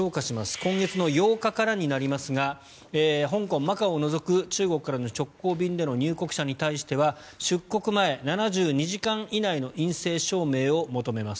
今月８日からになりますが香港、マカオを除く中国からの直行便での入国者に対しては出国前７２時間以内の陰性証明を求めます。